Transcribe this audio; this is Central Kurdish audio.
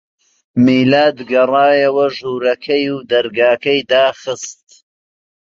میلاد گەڕایەوە ژوورەکەی و دەرگاکەی داخست.